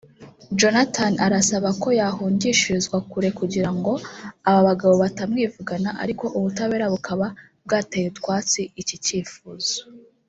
Jonathan arasaba ko yahungishirizwa kure kugira ngo aba bagabo batamwivugana ariko ubutabera bukaba bwateye utwatsi iki cyifuzo